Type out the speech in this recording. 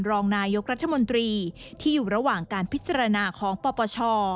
รองนายกรัฐมนตรีที่อยู่ระหว่างการพิจารณาของปปช